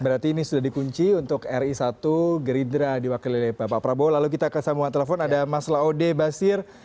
berarti ini sudah dikunci untuk ri satu gerindra diwakili oleh bapak prabowo lalu kita ke samungan telepon ada mas laode basir